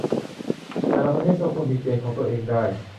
แต่ละประเทศก็ควรมีเกณฑ์ของตัวเองได้